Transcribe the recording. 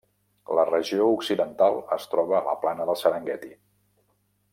La regió occidental es troba a la plana de Serengueti.